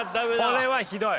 これはひどい。